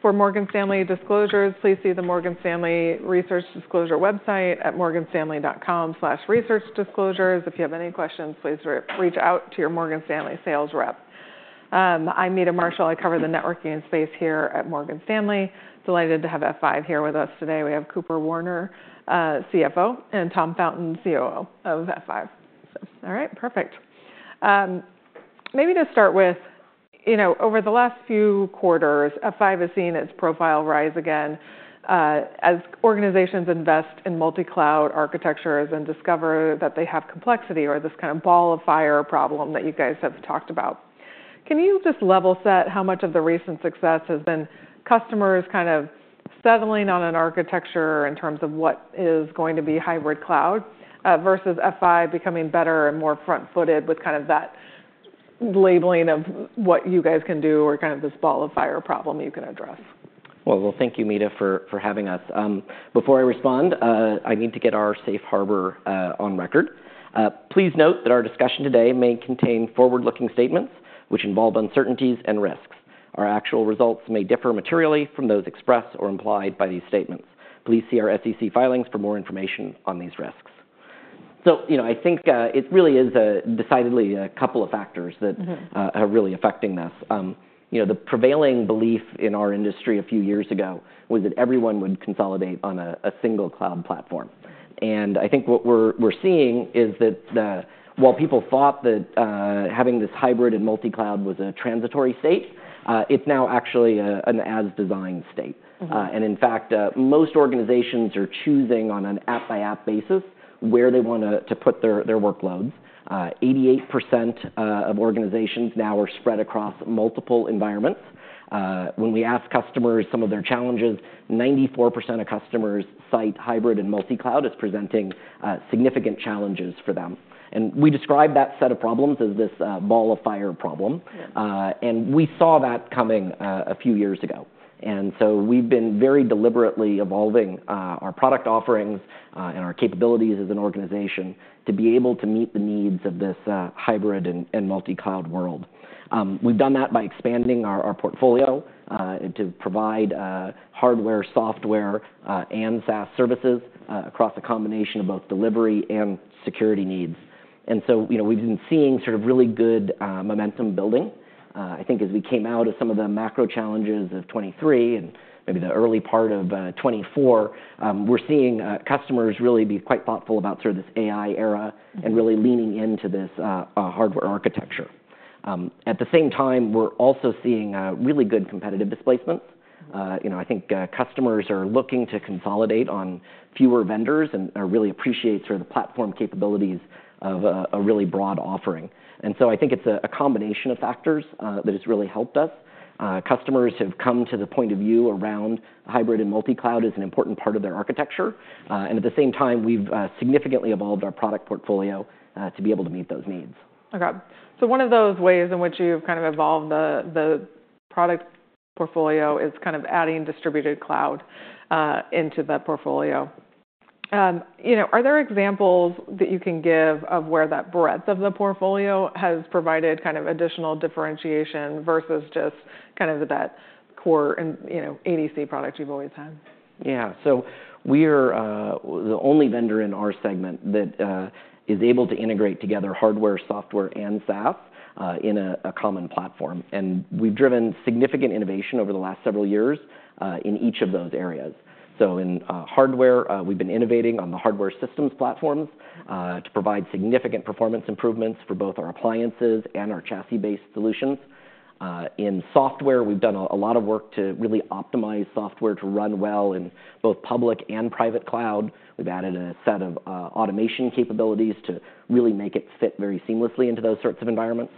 For Morgan Stanley disclosures, please see the Morgan Stanley Research Disclosure website at morganstanley.com/researchdisclosures. If you have any questions, please reach out to your Morgan Stanley sales rep. I'm Meta Marshall. I cover the networking space here at Morgan Stanley. Delighted to have F5 here with us today. We have Cooper Werner, CFO, and Tom Fountain, COO of F5. All right, perfect. Maybe to start with, over the last few quarters, F5 has seen its profile rise again as organizations invest in multi-cloud architectures and discover that they have complexity or this kind of ball of fire problem that you guys have talked about. Can you just level set how much of the recent success has been customers kind of settling on an architecture in terms of what is going to be hybrid cloud versus F5 becoming better and more front-footed with kind of that labeling of what you guys can do or kind of this ball of fire problem you can address? Thank you, Meta, for having us. Before I respond, I need to get our safe harbor on record. Please note that our discussion today may contain forward-looking statements which involve uncertainties and risks. Our actual results may differ materially from those expressed or implied by these statements. Please see our SEC filings for more information on these risks. I think it really is decidedly a couple of factors that are really affecting this. The prevailing belief in our industry a few years ago was that everyone would consolidate on a single cloud platform. I think what we're seeing is that while people thought that having this hybrid and multi-cloud was a transitory state, it's now actually an as-designed state. In fact, most organizations are choosing on an app-by-app basis where they want to put their workloads. 88% of organizations now are spread across multiple environments. When we ask customers some of their challenges, 94% of customers cite hybrid and multi-cloud as presenting significant challenges for them. And we describe that set of problems as this ball of fire problem. And we saw that coming a few years ago. And so we've been very deliberately evolving our product offerings and our capabilities as an organization to be able to meet the needs of this hybrid and multi-cloud world. We've done that by expanding our portfolio to provide hardware, software, and SaaS services across a combination of both delivery and security needs. And so we've been seeing sort of really good momentum building. I think as we came out of some of the macro challenges of 2023 and maybe the early part of 2024, we're seeing customers really be quite thoughtful about sort of this AI era and really leaning into this hardware architecture. At the same time, we're also seeing really good competitive displacements. I think customers are looking to consolidate on fewer vendors and really appreciate sort of the platform capabilities of a really broad offering. And so I think it's a combination of factors that has really helped us. Customers have come to the point of view around hybrid and multi-cloud as an important part of their architecture. And at the same time, we've significantly evolved our product portfolio to be able to meet those needs. Okay. So one of those ways in which you've kind of evolved the product portfolio is kind of adding Distributed Cloud into that portfolio. Are there examples that you can give of where that breadth of the portfolio has provided kind of additional differentiation versus just kind of that core and ADC product you've always had? Yeah. So we are the only vendor in our segment that is able to integrate together hardware, software, and SaaS in a common platform. And we've driven significant innovation over the last several years in each of those areas. So in hardware, we've been innovating on the hardware systems platforms to provide significant performance improvements for both our appliances and our chassis-based solutions. In software, we've done a lot of work to really optimize software to run well in both public and private cloud. We've added a set of automation capabilities to really make it fit very seamlessly into those sorts of environments.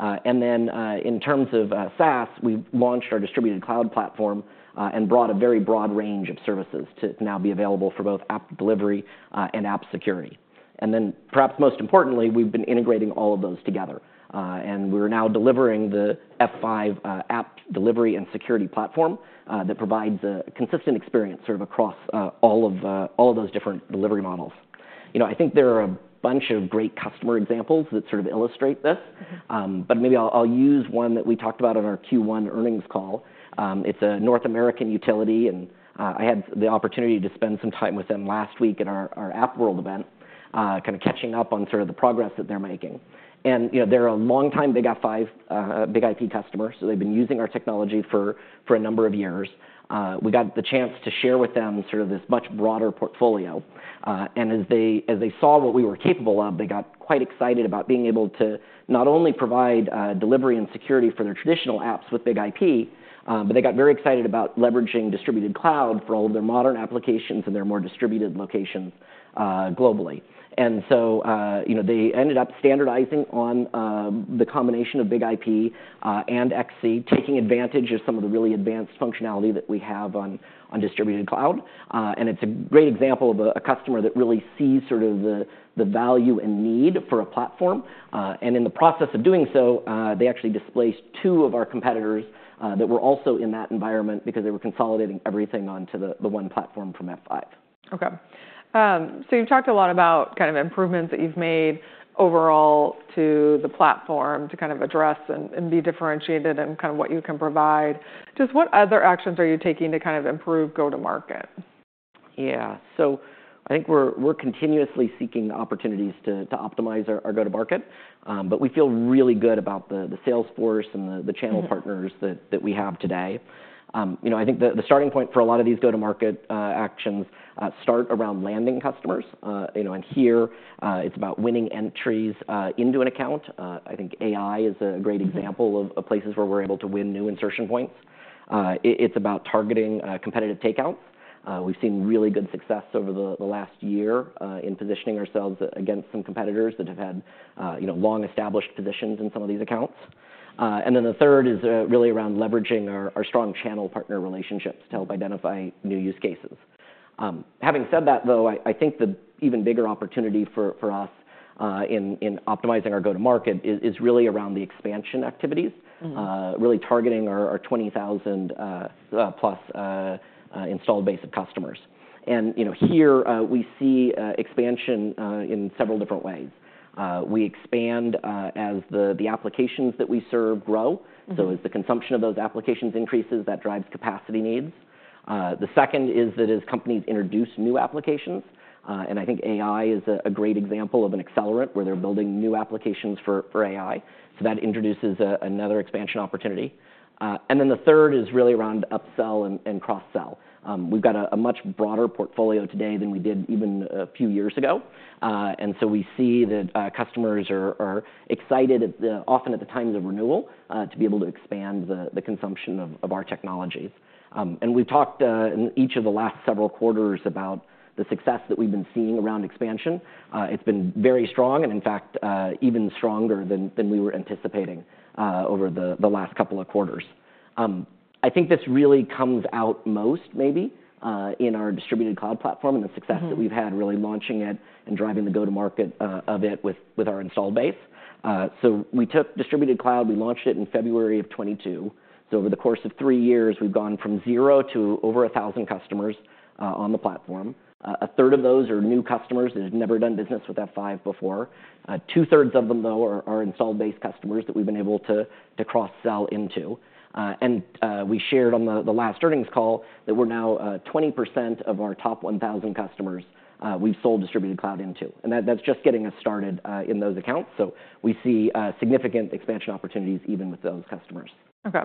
And then in terms of SaaS, we've launched our Distributed Cloud platform and brought a very broad range of services to now be available for both app delivery and app security. And then perhaps most importantly, we've been integrating all of those together. We're now delivering the F5 app delivery and security platform that provides a consistent experience sort of across all of those different delivery models. I think there are a bunch of great customer examples that sort of illustrate this. Maybe I'll use one that we talked about in our Q1 earnings call. It's a North American utility. I had the opportunity to spend some time with them last week at our AppWorld event, kind of catching up on sort of the progress that they're making. They're a long-time BIG-IP customer. They've been using our technology for a number of years. We got the chance to share with them sort of this much broader portfolio. And as they saw what we were capable of, they got quite excited about being able to not only provide delivery and security for their traditional apps with BIG-IP, but they got very excited about leveraging Distributed Cloud for all of their modern applications and their more distributed locations globally. And so they ended up standardizing on the combination of BIG-IP and XC, taking advantage of some of the really advanced functionality that we have on Distributed Cloud. And it's a great example of a customer that really sees sort of the value and need for a platform. And in the process of doing so, they actually displaced two of our competitors that were also in that environment because they were consolidating everything onto the one platform from F5. Okay. So you've talked a lot about kind of improvements that you've made overall to the platform to kind of address and be differentiated in kind of what you can provide. Just what other actions are you taking to kind of improve go-to-market? Yeah. So I think we're continuously seeking opportunities to optimize our go-to-market. But we feel really good about the salesforce and the channel partners that we have today. I think the starting point for a lot of these go-to-market actions start around landing customers. And here, it's about winning entries into an account. I think AI is a great example of places where we're able to win new insertion points. It's about targeting competitive takeouts. We've seen really good success over the last year in positioning ourselves against some competitors that have had long-established positions in some of these accounts. And then the third is really around leveraging our strong channel partner relationships to help identify new use cases. Having said that, though, I think the even bigger opportunity for us in optimizing our go-to-market is really around the expansion activities, really targeting our 20,000+ installed base of customers. Here, we see expansion in several different ways. We expand as the applications that we serve grow. So as the consumption of those applications increases, that drives capacity needs. The second is that as companies introduce new applications. And I think AI is a great example of an accelerant where they're building new applications for AI. So that introduces another expansion opportunity. And then the third is really around upsell and cross-sell. We've got a much broader portfolio today than we did even a few years ago. And so we see that customers are excited often at the times of renewal to be able to expand the consumption of our technologies. And we've talked in each of the last several quarters about the success that we've been seeing around expansion. It's been very strong and, in fact, even stronger than we were anticipating over the last couple of quarters. I think this really comes out most, maybe, in our Distributed Cloud platform and the success that we've had really launching it and driving the go-to-market of it with our installed base, so we took Distributed Cloud. We launched it in February of 2022, so over the course of three years, we've gone from zero to over 1,000 customers on the platform. 1/3 of those are new customers that have never done business with F5 before. 2/3 of them, though, are installed base customers that we've been able to cross-sell into, and we shared on the last earnings call that we're now 20% of our top 1,000 customers we've sold Distributed Cloud into, and that's just getting us started in those accounts, so we see significant expansion opportunities even with those customers. Okay.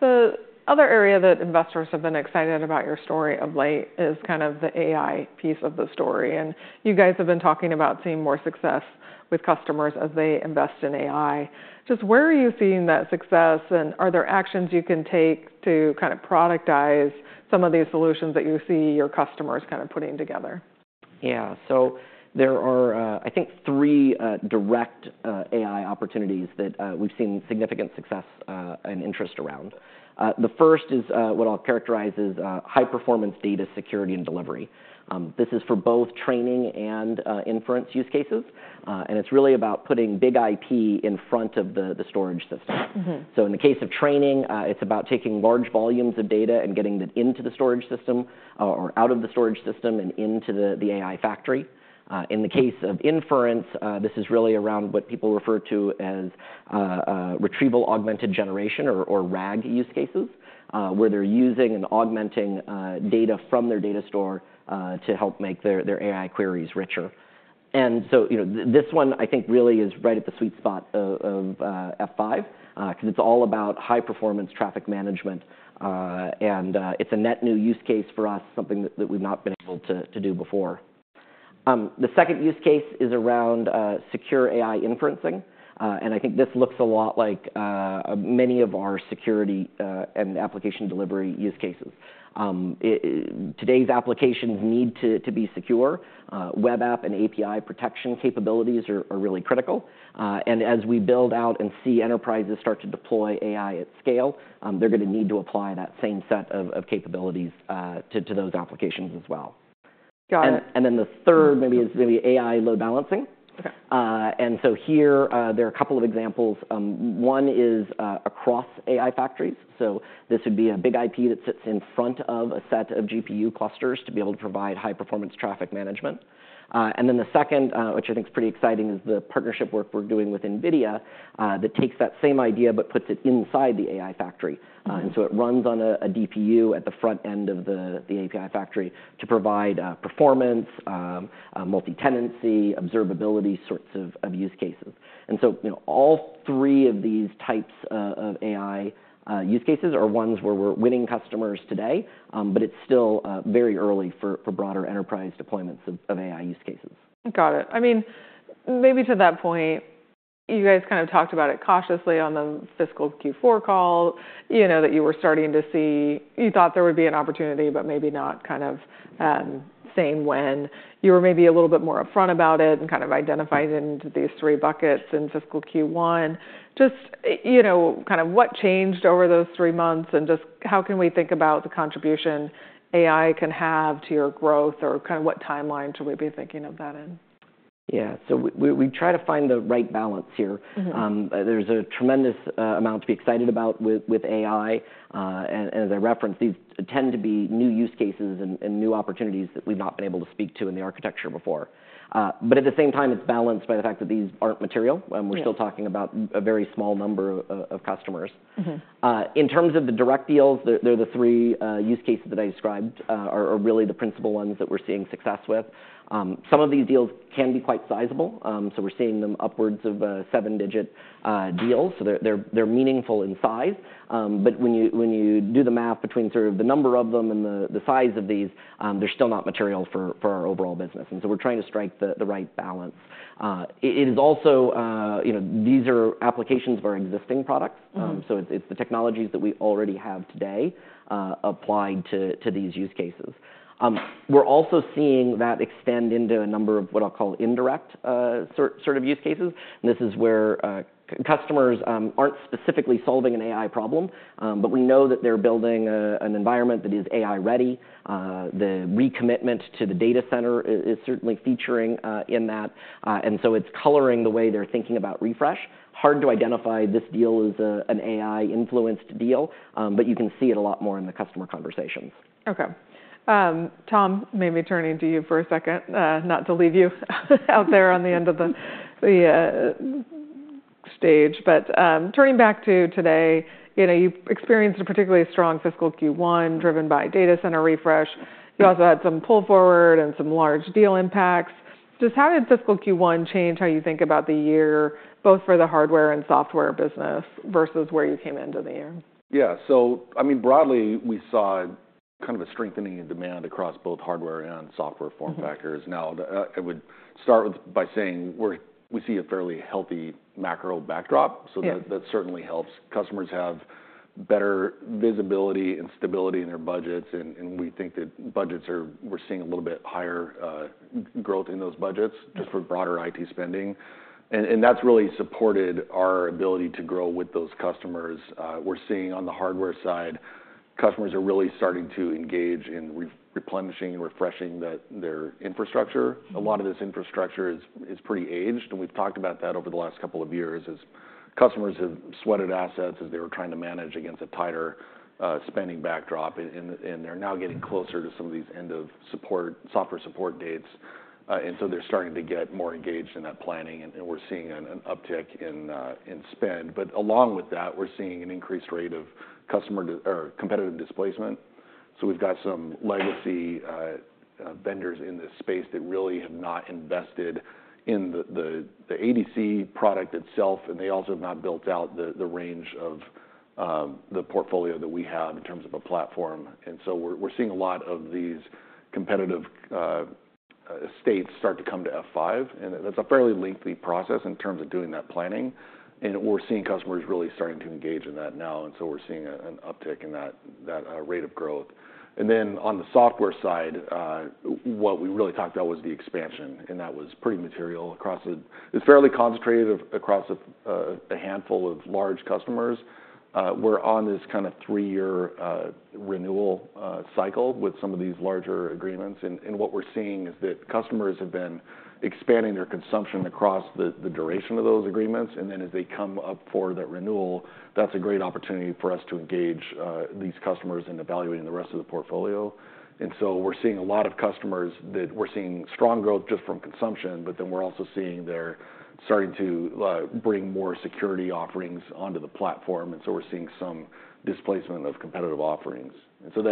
So the other area that investors have been excited about your story of late is kind of the AI piece of the story. And you guys have been talking about seeing more success with customers as they invest in AI. Just where are you seeing that success? And are there actions you can take to kind of productize some of these solutions that you see your customers kind of putting together? Yeah. So there are, I think, three direct AI opportunities that we've seen significant success and interest around. The first is what I'll characterize as high-performance data security and delivery. This is for both training and inference use cases. And it's really about putting BIG-IP in front of the storage system. So in the case of training, it's about taking large volumes of data and getting that into the storage system or out of the storage system and into the AI factory. In the case of inference, this is really around what people refer to as retrieval augmented generation or RAG use cases, where they're using and augmenting data from their data store to help make their AI queries richer. This one, I think, really is right at the sweet spot of F5 because it's all about high-performance traffic management. It's a net new use case for us, something that we've not been able to do before. The second use case is around secure AI inferencing. I think this looks a lot like many of our security and application delivery use cases. Today's applications need to be secure. Web app and API protection capabilities are really critical. As we build out and see enterprises start to deploy AI at scale, they're going to need to apply that same set of capabilities to those applications as well. Got it. The third maybe is maybe AI load balancing. And so here, there are a couple of examples. One is across AI factories. So this would be a BIG-IP that sits in front of a set of GPU clusters to be able to provide high-performance traffic management. And then the second, which I think is pretty exciting, is the partnership work we're doing with NVIDIA that takes that same idea but puts it inside the AI factory. And so it runs on a DPU at the front end of the AI factory to provide performance, multi-tenancy, observability sorts of use cases. And so all three of these types of AI use cases are ones where we're winning customers today. But it's still very early for broader enterprise deployments of AI use cases. Got it. I mean, maybe to that point, you guys kind of talked about it cautiously on the fiscal Q4 call that you were starting to see. You thought there would be an opportunity, but maybe not kind of same when. You were maybe a little bit more upfront about it and kind of identified into these three buckets in fiscal Q1. Just kind of what changed over those three months and just how can we think about the contribution AI can have to your growth or kind of what timeline should we be thinking of that in? Yeah. So we try to find the right balance here. There's a tremendous amount to be excited about with AI. And as I referenced, these tend to be new use cases and new opportunities that we've not been able to speak to in the architecture before. But at the same time, it's balanced by the fact that these aren't material. And we're still talking about a very small number of customers. In terms of the direct deals, they're the three use cases that I described are really the principal ones that we're seeing success with. Some of these deals can be quite sizable. So we're seeing them upwards of seven-digit deals. So they're meaningful in size. But when you do the math between sort of the number of them and the size of these, they're still not material for our overall business. And so we're trying to strike the right balance. It is also these are applications of our existing products. So it's the technologies that we already have today applied to these use cases. We're also seeing that extend into a number of what I'll call indirect sort of use cases. And this is where customers aren't specifically solving an AI problem. But we know that they're building an environment that is AI-ready. The recommitment to the data center is certainly featuring in that. And so it's coloring the way they're thinking about refresh. Hard to identify this deal as an AI-influenced deal. But you can see it a lot more in the customer conversations. Okay. Tom, maybe turning to you for a second, not to leave you out there on the end of the stage. But turning back to today, you experienced a particularly strong fiscal Q1 driven by data center refresh. You also had some pull forward and some large deal impacts. Just how did fiscal Q1 change how you think about the year, both for the hardware and software business versus where you came into the year? Yeah. So I mean, broadly, we saw kind of a strengthening in demand across both hardware and software form factors. Now, I would start by saying we see a fairly healthy macro backdrop. So that certainly helps. Customers have better visibility and stability in their budgets. And we think that budgets, we're seeing a little bit higher growth in those budgets just for broader IT spending. And that's really supported our ability to grow with those customers. We're seeing on the hardware side, customers are really starting to engage in replenishing and refreshing their infrastructure. A lot of this infrastructure is pretty aged. And we've talked about that over the last couple of years as customers have sweated assets as they were trying to manage against a tighter spending backdrop. And they're now getting closer to some of these end-of-support software support dates. And so they're starting to get more engaged in that planning. And we're seeing an uptick in spend. But along with that, we're seeing an increased rate of competitive displacement. So we've got some legacy vendors in this space that really have not invested in the ADC product itself. And they also have not built out the range of the portfolio that we have in terms of a platform. And so we're seeing a lot of these competitive states start to come to F5. And that's a fairly lengthy process in terms of doing that planning. And we're seeing customers really starting to engage in that now. And so we're seeing an uptick in that rate of growth. And then on the software side, what we really talked about was the expansion. And that was pretty material. It's fairly concentrated across a handful of large customers. We're on this kind of three-year renewal cycle with some of these larger agreements. And what we're seeing is that customers have been expanding their consumption across the duration of those agreements. And then as they come up for that renewal, that's a great opportunity for us to engage these customers in evaluating the rest of the portfolio. And so we're seeing a lot of customers that we're seeing strong growth just from consumption. But then we're also seeing they're starting to bring more security offerings onto the platform. And so we're seeing some displacement of competitive offerings. And so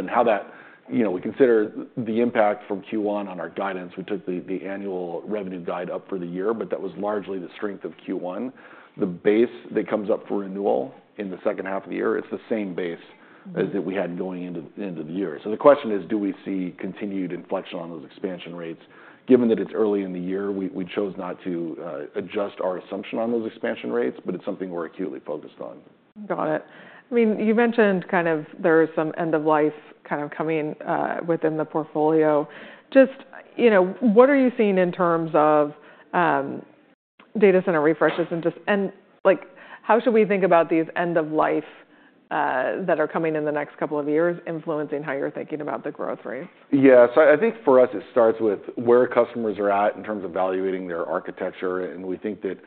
then how that we consider the impact from Q1 on our guidance. We took the annual revenue guide up for the year. But that was largely the strength of Q1. The base that comes up for renewal in the second half of the year, it's the same base as that we had going into the year. So the question is, do we see continued inflection on those expansion rates? Given that it's early in the year, we chose not to adjust our assumption on those expansion rates. But it's something we're acutely focused on. Got it. I mean, you mentioned kind of there is some end-of-life kind of coming within the portfolio. Just what are you seeing in terms of data center refreshes, and how should we think about these end-of-life that are coming in the next couple of years influencing how you're thinking about the growth rates? Yeah. So I think for us, it starts with where customers are at in terms of evaluating their architecture. And we think that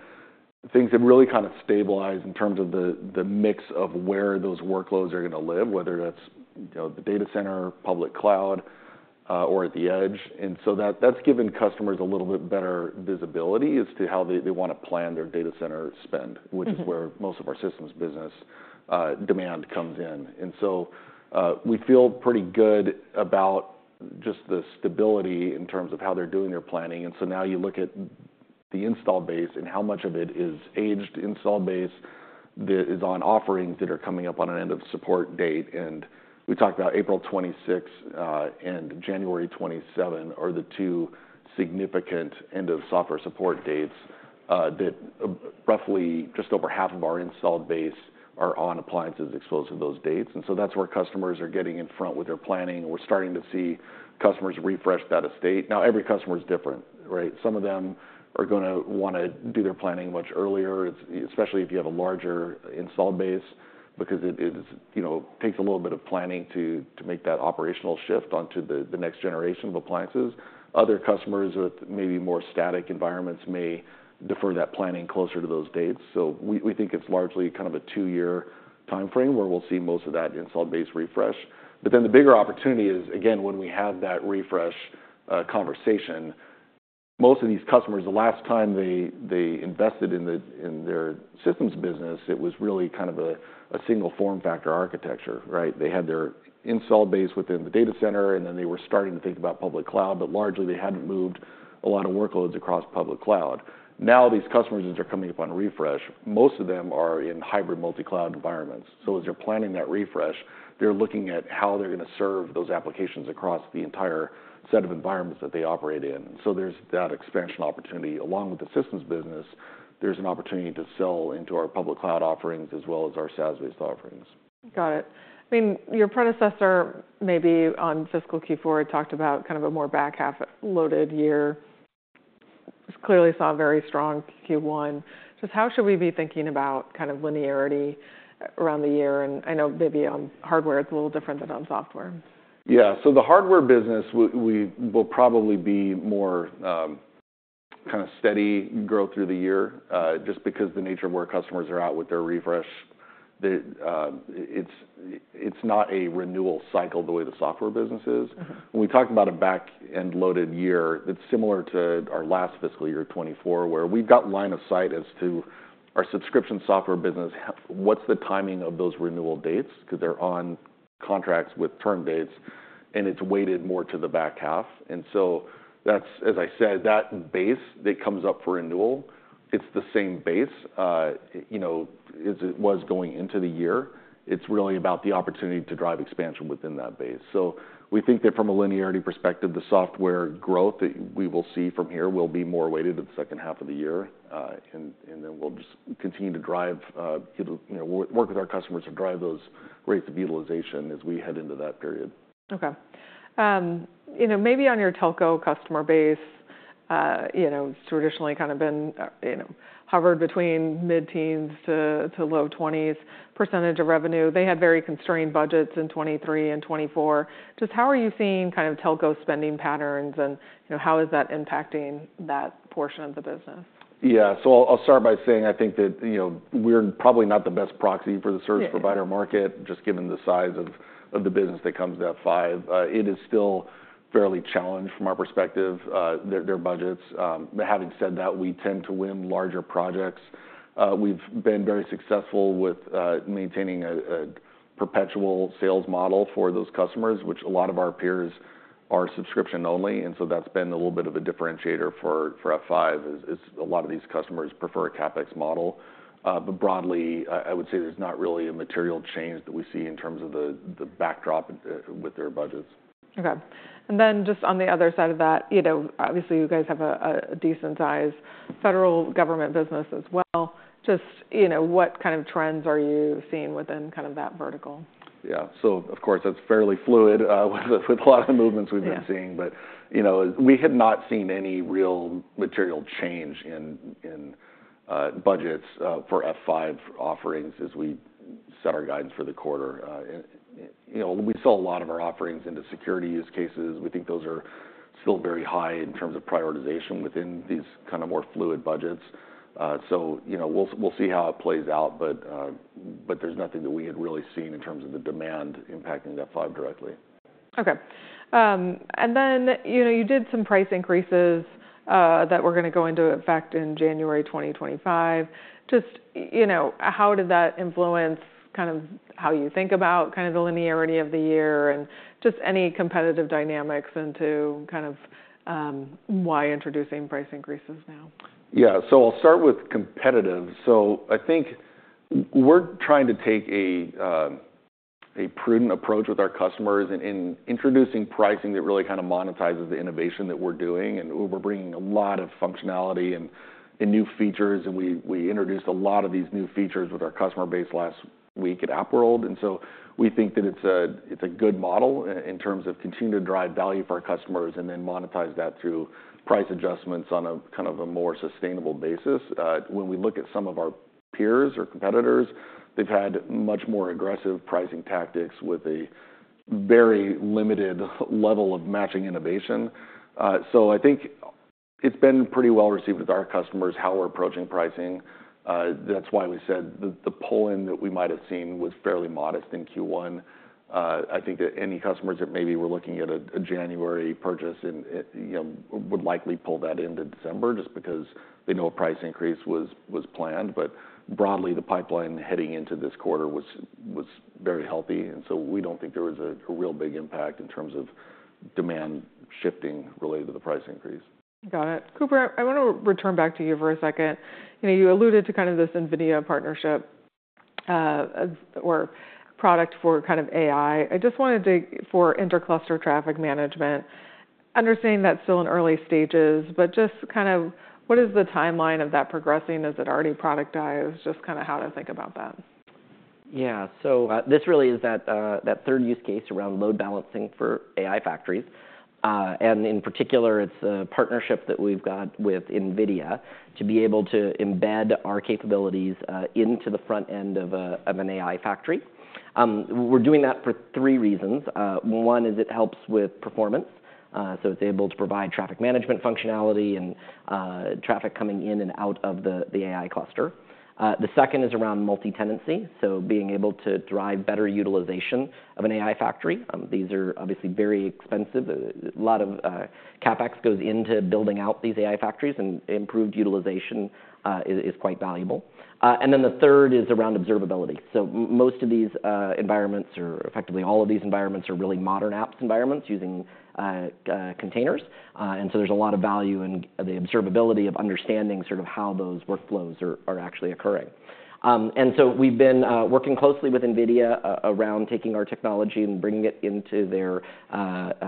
things have really kind of stabilized in terms of the mix of where those workloads are going to live, whether that's the data center, public cloud, or at the edge. And so that's given customers a little bit better visibility as to how they want to plan their data center spend, which is where most of our systems business demand comes in. And so we feel pretty good about just the stability in terms of how they're doing their planning. And so now you look at the installed base and how much of it is aged installed base that is on offerings that are coming up on an end-of-support date. We talked about April 26 and January 27 are the two significant end-of-software support dates that roughly just over half of our installed base are on appliances exposed to those dates. And so that's where customers are getting in front with their planning. We're starting to see customers refresh that estate. Now, every customer is different, right? Some of them are going to want to do their planning much earlier, especially if you have a larger installed base because it takes a little bit of planning to make that operational shift onto the next generation of appliances. Other customers with maybe more static environments may defer that planning closer to those dates. So we think it's largely kind of a two-year time frame where we'll see most of that installed base refresh. But then the bigger opportunity is, again, when we have that refresh conversation. Most of these customers, the last time they invested in their systems business, it was really kind of a single form factor architecture, right? They had their installed base within the data center. And then they were starting to think about public cloud. But largely, they hadn't moved a lot of workloads across public cloud. Now, these customers that are coming up on refresh, most of them are in hybrid multi-cloud environments. So as they're planning that refresh, they're looking at how they're going to serve those applications across the entire set of environments that they operate in. So there's that expansion opportunity. Along with the systems business, there's an opportunity to sell into our public cloud offerings as well as our SaaS-based offerings. Got it. I mean, your predecessor maybe on fiscal Q4 had talked about kind of a more back half-loaded year. Clearly saw a very strong Q1. Just how should we be thinking about kind of linearity around the year? And I know maybe on hardware, it's a little different than on software. Yeah. So the hardware business will probably be more kind of steady growth through the year just because the nature of where customers are at with their refresh. It's not a renewal cycle the way the software business is. When we talk about a back-end-loaded year, it's similar to our last fiscal year 2024, where we've got line of sight as to our subscription software business, what's the timing of those renewal dates because they're on contracts with term dates. And it's weighted more to the back half. And so that's, as I said, that base that comes up for renewal, it's the same base as it was going into the year. It's really about the opportunity to drive expansion within that base. So we think that from a linearity perspective, the software growth that we will see from here will be more weighted in the second half of the year. And then we'll just continue to drive work with our customers to drive those rates of utilization as we head into that period. Okay. Maybe on your telco customer base, it's traditionally kind of been hovered between mid-teens to low 20s percentage of revenue. They had very constrained budgets in 2023 and 2024. Just how are you seeing kind of telco spending patterns, and how is that impacting that portion of the business? Yeah. So I'll start by saying I think that we're probably not the best proxy for the service provider market just given the size of the business that comes to F5. It is still fairly challenged from our perspective, their budgets. Having said that, we tend to win larger projects. We've been very successful with maintaining a perpetual sales model for those customers, which a lot of our peers are subscription only. And so that's been a little bit of a differentiator for F5. A lot of these customers prefer a CapEx model. But broadly, I would say there's not really a material change that we see in terms of the backdrop with their budgets. Okay. And then just on the other side of that, obviously, you guys have a decent-sized federal government business as well. Just what kind of trends are you seeing within kind of that vertical? Yeah. So of course, that's fairly fluid with a lot of the movements we've been seeing. But we have not seen any real material change in budgets for F5 offerings as we set our guidance for the quarter. We sell a lot of our offerings into security use cases. We think those are still very high in terms of prioritization within these kind of more fluid budgets. So we'll see how it plays out. But there's nothing that we had really seen in terms of the demand impacting F5 directly. Okay. And then you did some price increases that were going to go into effect in January 2025. Just how did that influence kind of how you think about kind of the linearity of the year and just any competitive dynamics into kind of why introducing price increases now? Yeah, so I'll start with competitive, so I think we're trying to take a prudent approach with our customers in introducing pricing that really kind of monetizes the innovation that we're doing, and we're bringing a lot of functionality and new features, and we introduced a lot of these new features with our customer base last week at AppWorld, and so we think that it's a good model in terms of continuing to drive value for our customers and then monetize that through price adjustments on a kind of a more sustainable basis. When we look at some of our peers or competitors, they've had much more aggressive pricing tactics with a very limited level of matching innovation. I think it's been pretty well received with our customers how we're approaching pricing. That's why we said that the pull-in that we might have seen was fairly modest in Q1. I think that any customers that maybe were looking at a January purchase would likely pull that into December just because they know a price increase was planned. But broadly, the pipeline heading into this quarter was very healthy. And so we don't think there was a real big impact in terms of demand shifting related to the price increase. Got it. Cooper, I want to return back to you for a second. You alluded to kind of this NVIDIA partnership or product for kind of AI. I just wanted to for intercluster traffic management, understanding that's still in early stages. But just kind of what is the timeline of that progressing? Is it already productized? Just kind of how to think about that. Yeah. So this really is that third use case around load balancing for AI factories. And in particular, it's a partnership that we've got with NVIDIA to be able to embed our capabilities into the front end of an AI factory. We're doing that for three reasons. One is it helps with performance. So it's able to provide traffic management functionality and traffic coming in and out of the AI cluster. The second is around multi-tenancy. So being able to drive better utilization of an AI factory. These are obviously very expensive. A lot of CapEx goes into building out these AI factories. And improved utilization is quite valuable. And then the third is around observability. So most of these environments, or effectively all of these environments, are really modern apps environments using containers. There's a lot of value in the observability of understanding sort of how those workflows are actually occurring. We've been working closely with NVIDIA around taking our technology and bringing it into their BlueField-3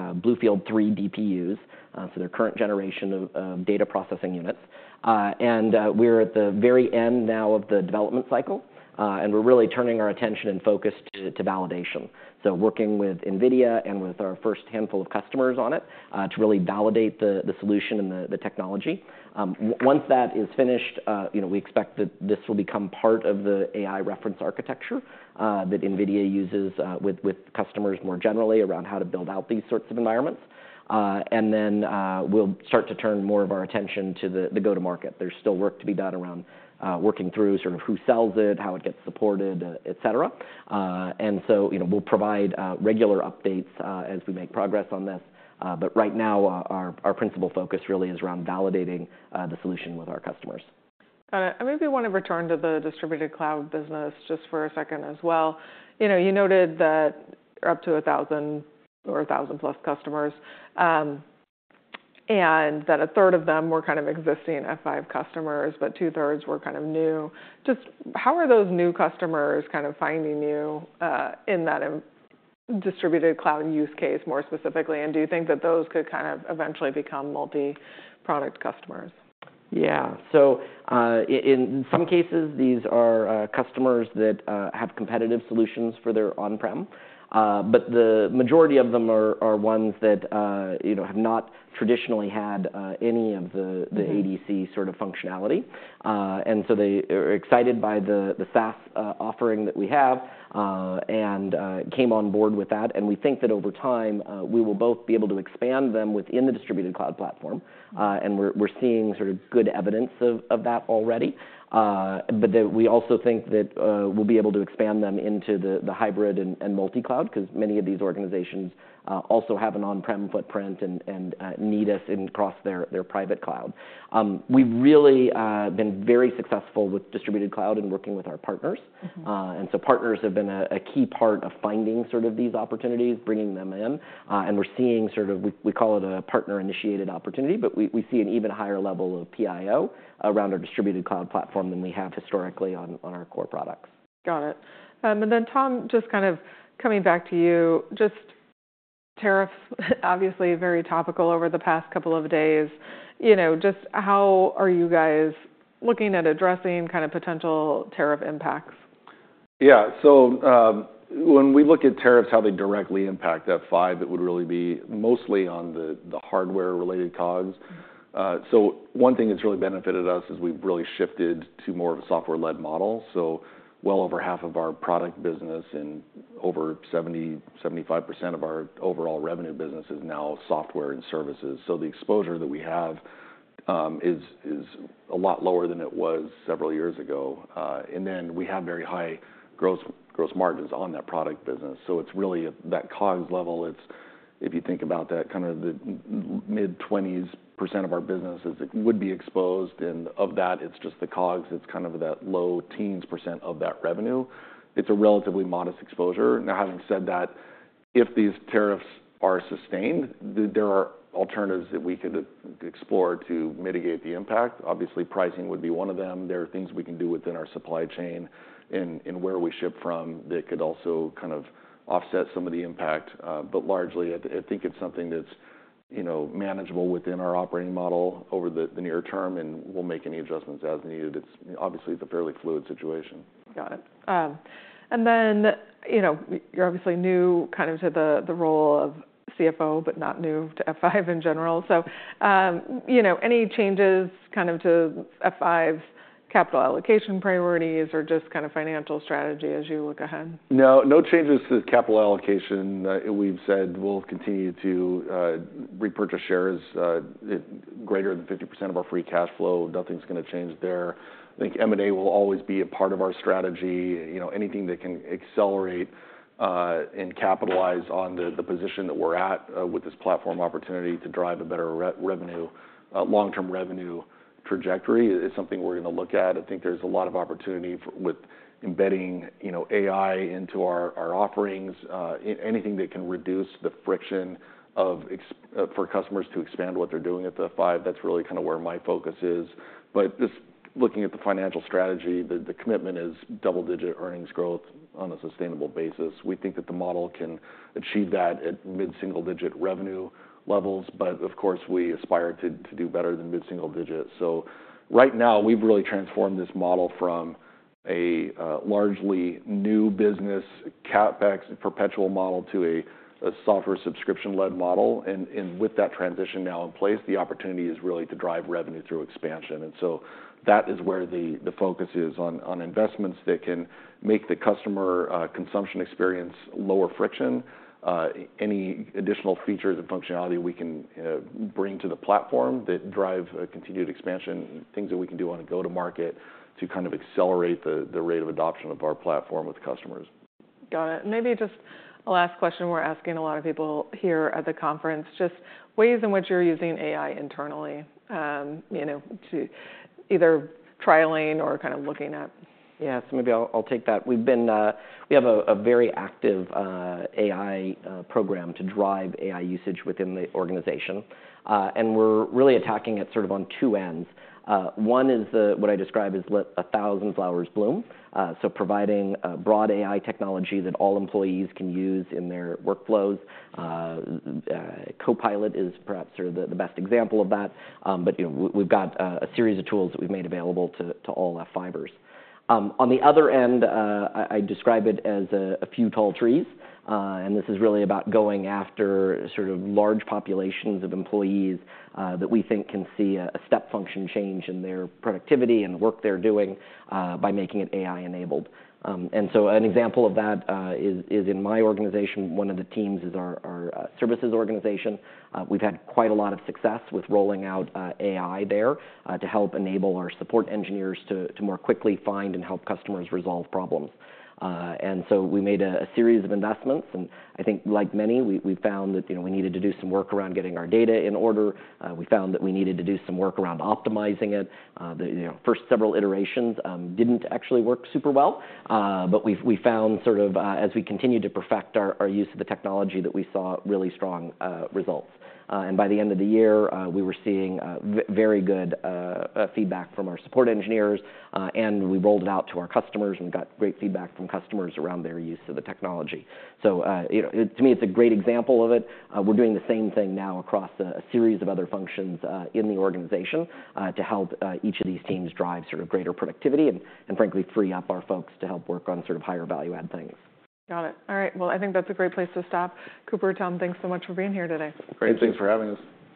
DPUs, so their current generation of data processing units. We're at the very end now of the development cycle. We're really turning our attention and focus to validation. We're working with NVIDIA and with our first handful of customers on it to really validate the solution and the technology. Once that is finished, we expect that this will become part of the AI reference architecture that NVIDIA uses with customers more generally around how to build out these sorts of environments. Then we'll start to turn more of our attention to the go-to-market. There's still work to be done around working through sort of who sells it, how it gets supported, et cetera. And so we'll provide regular updates as we make progress on this. But right now, our principal focus really is around validating the solution with our customers. Got it. I maybe want to return to the Distributed Cloud business just for a second as well. You noted that up to 1,000 or 1,000+ customers and that 1/3 of them were kind of existing F5 customers, but two-thirds were kind of new. Just how are those new customers kind of finding you in that Distributed Cloud use case more specifically? And do you think that those could kind of eventually become multi-product customers? Yeah. So in some cases, these are customers that have competitive solutions for their on-prem. But the majority of them are ones that have not traditionally had any of the ADC sort of functionality. And so they are excited by the SaaS offering that we have and came on board with that. And we think that over time, we will both be able to expand them within the Distributed Cloud platform. And we're seeing sort of good evidence of that already. But we also think that we'll be able to expand them into the hybrid and multi-cloud because many of these organizations also have an on-prem footprint and need us across their private cloud. We've really been very successful with Distributed Cloud and working with our partners. And so partners have been a key part of finding sort of these opportunities, bringing them in. We're seeing sort of we call it a partner-initiated opportunity. We see an even higher level of PIO around our Distributed Cloud platform than we have historically on our core products. Got it. And then Tom, just kind of coming back to you, just tariffs, obviously very topical over the past couple of days. Just how are you guys looking at addressing kind of potential tariff impacts? Yeah. So when we look at tariffs, how they directly impact F5, it would really be mostly on the hardware-related COGS. So one thing that's really benefited us is we've really shifted to more of a software-led model. So well over half of our product business and over 70%-75% of our overall revenue business is now software and services. So the exposure that we have is a lot lower than it was several years ago. And then we have very high gross margins on that product business. So it's really that COGS level. If you think about that, kind of the mid-20s% of our businesses that would be exposed. And of that, it's just the COGS. It's kind of that low teens percent of that revenue. It's a relatively modest exposure. Now, having said that, if these tariffs are sustained, there are alternatives that we could explore to mitigate the impact. Obviously, pricing would be one of them. There are things we can do within our supply chain and where we ship from that could also kind of offset some of the impact. But largely, I think it's something that's manageable within our operating model over the near-term. And we'll make any adjustments as needed. Obviously, it's a fairly fluid situation. Got it. And then you're obviously new kind of to the role of CFO, but not new to F5 in general. So any changes kind of to F5's capital allocation priorities or just kind of financial strategy as you look ahead? No. No changes to capital allocation. We've said we'll continue to repurchase shares greater than 50% of our free cash flow. Nothing's going to change there. I think M&A will always be a part of our strategy. Anything that can accelerate and capitalize on the position that we're at with this platform opportunity to drive a better revenue, long-term revenue trajectory is something we're going to look at. I think there's a lot of opportunity with embedding AI into our offerings. Anything that can reduce the friction for customers to expand what they're doing at the F5, that's really kind of where my focus is. But just looking at the financial strategy, the commitment is double-digit earnings growth on a sustainable basis. We think that the model can achieve that at mid-single-digit revenue levels. But of course, we aspire to do better than mid-single digits. So right now, we've really transformed this model from a largely new business CapEx perpetual model to a software subscription-led model. And with that transition now in place, the opportunity is really to drive revenue through expansion. And so that is where the focus is on investments that can make the customer consumption experience lower friction. Any additional features and functionality we can bring to the platform that drive continued expansion, things that we can do on a go-to-market to kind of accelerate the rate of adoption of our platform with customers. Got it. Maybe just a last question we're asking a lot of people here at the conference, just ways in which you're using AI internally to either trialing or kind of looking at? Yeah. So maybe I'll take that. We have a very active AI program to drive AI usage within the organization. And we're really attacking it sort of on two ends. One is what I describe as let 1,000 flowers bloom. So providing broad AI technology that all employees can use in their workflows. Copilot is perhaps sort of the best example of that but we've got a series of tools that we've made available to all F5ers. On the other end, I describe it as a few tall trees, and this is really about going after sort of large populations of employees that we think can see a step function change in their productivity and the work they're doing by making it AI-enabled. And so an example of that is in my organization, one of the teams is our services organization. We've had quite a lot of success with rolling out AI there to help enable our support engineers to more quickly find and help customers resolve problems, and so we made a series of investments, and I think like many, we found that we needed to do some work around getting our data in order. We found that we needed to do some work around optimizing it. The first several iterations didn't actually work super well, but we found sort of as we continued to perfect our use of the technology that we saw really strong results, and by the end of the year, we were seeing very good feedback from our support engineers, and we rolled it out to our customers, and we got great feedback from customers around their use of the technology, so to me, it's a great example of it. We're doing the same thing now across a series of other functions in the organization to help each of these teams drive sort of greater productivity and, frankly, free up our folks to help work on sort of higher value-add things. Got it. All right. Well, I think that's a great place to stop. Cooper, Tom, thanks so much for being here today. Great. Thanks for having us.